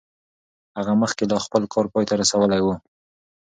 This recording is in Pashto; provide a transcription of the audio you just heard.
هغه مخکې لا خپل کار پای ته رسولی و.